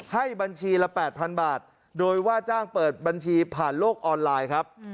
ให้บัญชีละ๘๐๐๐บาทโดยว่าจ้างเปิดบัญชีผ่านโลกออนไลน์ครับ